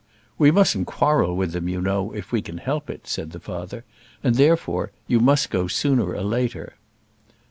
"We mustn't quarrel with them, you know, if we can help it," said the father; "and, therefore, you must go sooner or later."